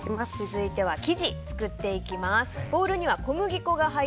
続いては生地を作っていきます。